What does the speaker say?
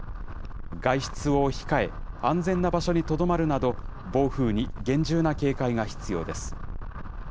外出を控え、安全な場所にとどまるなど、暴風に厳重な警戒が必要です。